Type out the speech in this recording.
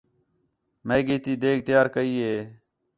میگی تی دیگ تیار کَئی ہے